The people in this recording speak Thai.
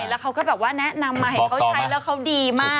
แล้วเขาก็แบบว่าแนะนำมาเห็นเขาใช้แล้วเขาดีมาก